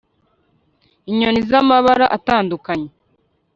inyoni z'amabara atandukanye